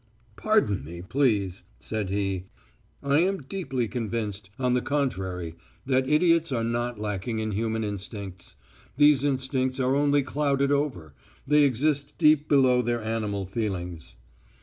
"Pardon me, please," said he. "I am deeply convinced, on the contrary, that idiots are not lacking in human instincts. These instincts are only clouded over ... they exist deep below their animal feelings.